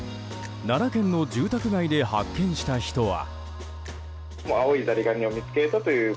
奈良県の住宅街で発見した人は。